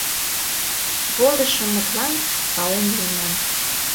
Возышымытлан пален лийман.